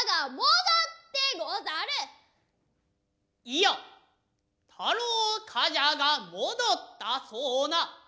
イヤ太郎冠者が戻ったそうな。